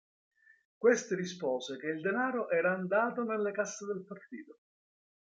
Questi rispose che il denaro era andato nelle casse del partito.